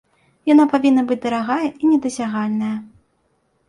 Яна павінна быць дарагая і недасягальная.